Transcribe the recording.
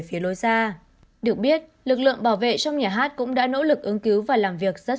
phía lối ra được biết lực lượng bảo vệ trong nhà hát cũng đã nỗ lực ứng cứu và làm việc rất